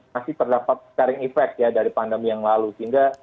masih terdapat scaring effect ya dari pandemi yang lalu sehingga